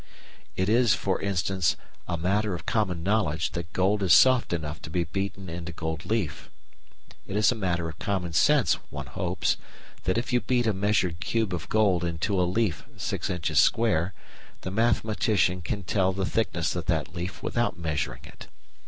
It is, for instance, a matter of common knowledge that gold is soft enough to be beaten into gold leaf. It is a matter of common sense, one hopes, that if you beat a measured cube of gold into a leaf six inches square, the mathematician can tell the thickness of that leaf without measuring it.